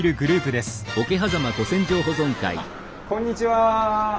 あっこんにちは。